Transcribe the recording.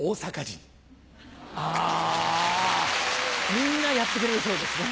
みんなやってくれるそうですね。